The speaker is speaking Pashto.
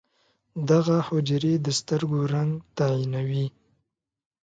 دغه حجرې د سترګو رنګ تعیینوي.